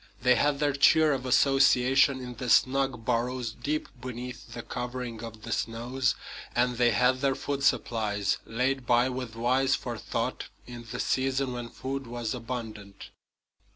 They had their cheer of association in the snug burrows deep beneath the covering of the snows; and they had their food supplies, laid by with wise forethought in the season when food was abundant.